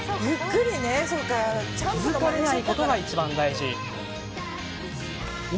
気づかれないことが一番大事。